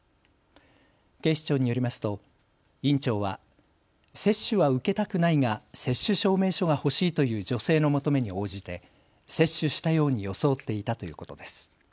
警視庁によりますと院長は接種は受けたくないが接種証明書がほしいという女性の求めに応じて接種したように装っていたということです。